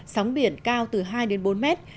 sóng biển cao từ hai đến bốn mét